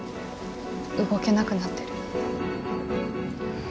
動けなくなってる。